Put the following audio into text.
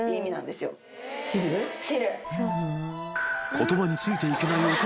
［言葉についていけない女将。